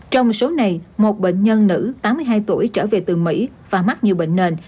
trong số này một bệnh nhân nữ tám mươi hai tuổi trở về từ mỹ và mắc nhiều bệnh nền